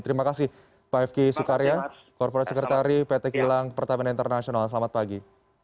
terima kasih pak fk sukarya korporat sekretari pt kilang pertama internasional selamat pagi